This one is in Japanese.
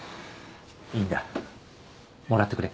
いいんだもらってくれ。